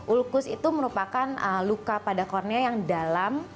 ulkus itu merupakan luka pada kornea yang dalam